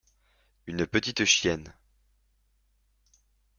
Une petite chienne.